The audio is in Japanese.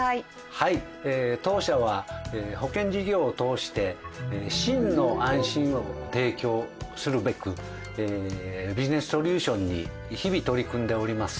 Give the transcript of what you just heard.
はい当社は保険事業を通して真の安心を提供するべくビジネスソリューションに日々取り組んでおります。